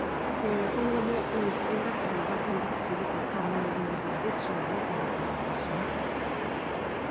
今後も地震活動が継続すると考えられますので、注意をお願いいたします。